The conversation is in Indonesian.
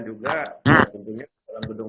juga tentunya dalam gedung